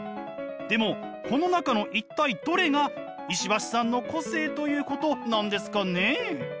でもこの中の一体どれが石橋さんの個性ということなんですかね？